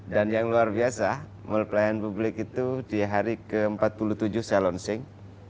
dan yang luar biasa mall pelayanan publik itu di hari ke empat puluh tujuh saya launching